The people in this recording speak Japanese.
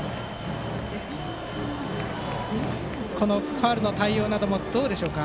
ファウルの対応などどうでしょうか。